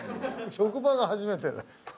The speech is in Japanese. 職場が初めてだ。